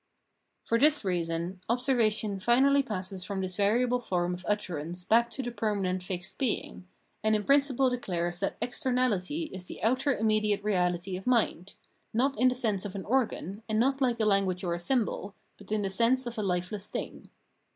For this reason, observation finally passes from this variable form of utterance back to the permanent fixed being, and in principle declares that externality is the outer immediate reahty of mind, not in the sense of an organ, and not like a language or a symbol, but in the sense of a lifeless thing.